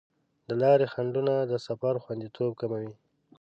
د لارې خنډونه د سفر خوندیتوب کموي.